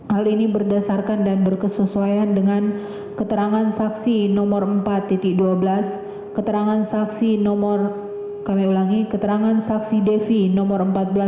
hal ini berdasarkan dan berkesesuaian dengan keterangan saksi nomor empat dua belas keterangan saksi nomor kami ulangi keterangan saksi devi nomor empat belas dua ribu